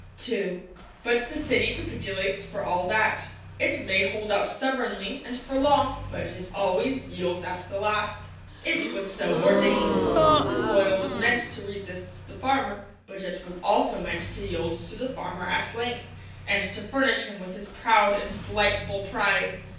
II But the city capitulates for all that. It may hold out stubbornly, and for long, but it always yields at the last. It was so ordained. The soil was meant to resist the farmer; but it was also meant to yield to the farmer at length, and to furnish him with his proud and delightful prize.